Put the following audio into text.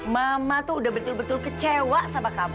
mama tuh udah betul betul kecewa sama kamu